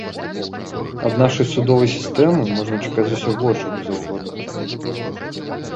Ад нашай судовай сістэмы можна чакаць усяго, чаго заўгодна.